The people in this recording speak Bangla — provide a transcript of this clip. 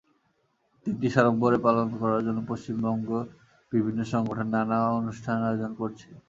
দিনটি সাড়ম্বরে পালন করার জন্য পশ্চিমবঙ্গের বিভিন্ন সংগঠন নানা অনুষ্ঠান আয়োজন করছে।